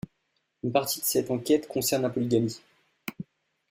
Une partie de cette enquête concerne la polygamie.